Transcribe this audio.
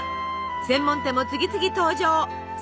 専門店も次々登場。